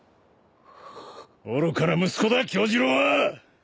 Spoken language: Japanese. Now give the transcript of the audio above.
愚かな息子だ杏寿郎は！